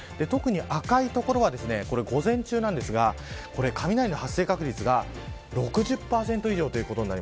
赤い所は、午前中なんですが雷の発生確率が６０％以上です。